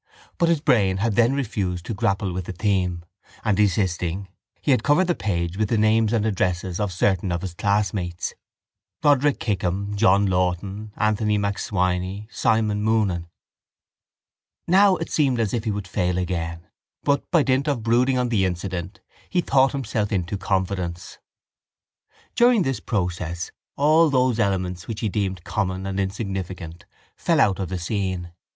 But his brain had then refused to grapple with the theme and, desisting, he had covered the page with the names and addresses of certain of his classmates: Roderick Kickham John Lawton Anthony MacSwiney Simon Moonan Now it seemed as if he would fail again but, by dint of brooding on the incident, he thought himself into confidence. During this process all those elements which he deemed common and insignificant fell out of the scene.